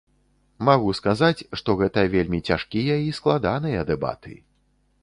Магу сказаць, што гэта вельмі цяжкія і складаныя дэбаты.